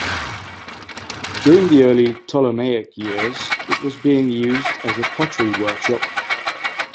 During the early Ptolemaic years, it was being used as a pottery workshop.